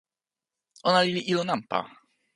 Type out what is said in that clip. ona li ilo nanpa!